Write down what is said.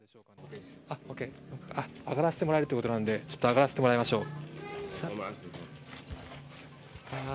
上がらせてもらえるということなので上がらせてもらいましょう。